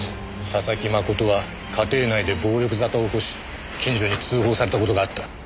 佐々木真人は家庭内で暴力沙汰を起こし近所に通報された事があった。